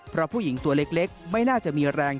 เพราะผู้หญิงตัวเล็กไม่น่าจะมีแรง